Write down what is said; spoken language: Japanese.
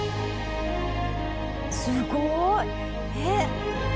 すごい！えっ。